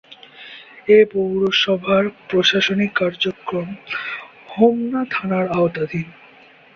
এ পৌরসভার প্রশাসনিক কার্যক্রম হোমনা থানার আওতাধীন।